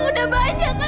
udah banyak an